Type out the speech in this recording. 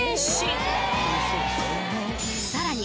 ［さらに］